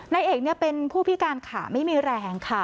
นายเอกเป็นผู้พิการขาไม่มีแรงค่ะ